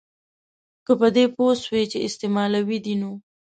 که په دې پوه سوې چي استعمالوي دي نو